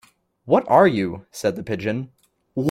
What are you?’ said the Pigeon.